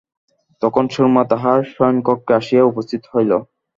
তখন সুরমা তাহার শয়নকক্ষে আসিয়া উপস্থিত হইল।